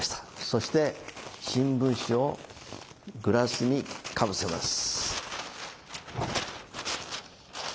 そして新聞紙をグラスにかぶせます。